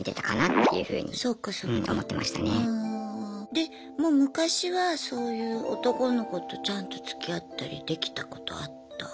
でもう昔はそういう男の子とちゃんとつきあったりできたことあった？